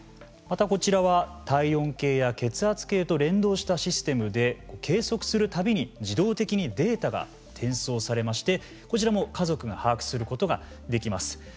またこちらは体温計や血圧計と連動したシステムで計測する度に自動的にデータが転送されましてこちらも家族が把握することができます。